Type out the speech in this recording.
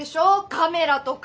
カメラとか！